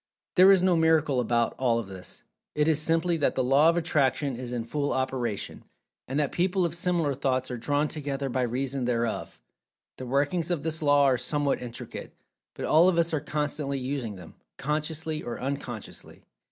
There is no "miracle" about all of this—it is simply that the Law of Attraction is in full operation, and that people of similar thoughts are drawn together by reason thereof. The workings of this Law are somewhat intricate, but all of us are constantly using them, consciously or unconsciously.